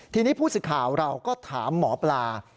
ทีนี้ผู้สื่อข่าวเราก็ถามหมอปลา